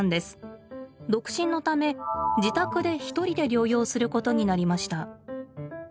独身のため自宅で一人で療養することになりました。